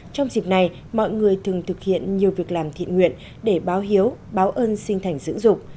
trong dịp này mọi người thường thực hiện nhiều việc làm thiện nguyện để báo hiếu báo ơn sinh thành dưỡng dục